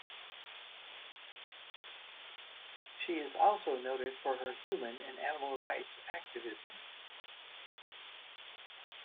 She is also noted for her human and animal rights activism.